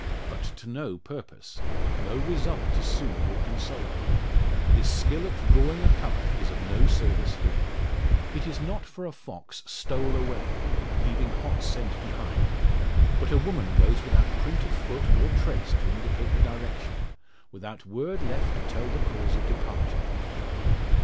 But to no purpose; no result to soothe or console him. His skill at drawing a cover is of no service here. It is not for a fox "stole away," leaving hot scent behind; but a woman goes without print of foot or trace to indicate the direction; without word left to tell the cause of departure.